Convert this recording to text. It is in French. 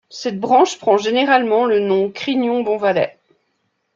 Cette branche prend généralement le nom Crignon-Bonvalet.